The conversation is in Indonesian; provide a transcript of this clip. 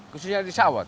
khususnya di sawat